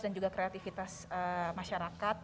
dan juga kreativitas masyarakat